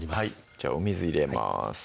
じゃあお水入れます